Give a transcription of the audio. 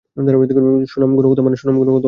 সুনাম, গুণগত মান।